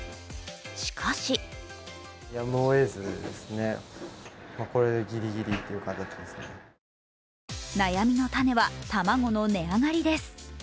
しかし悩みの種は、卵の値上がりです。